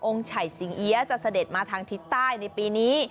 ไฉสิงเอี๊ยจะเสด็จมาทางทิศใต้ในปีนี้